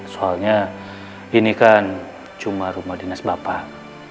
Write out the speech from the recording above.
soalnya ini kan cuma rumah dinas bapak